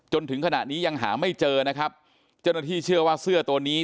จนถึงขณะนี้ยังหาไม่เจอนะครับเจ้าหน้าที่เชื่อว่าเสื้อตัวนี้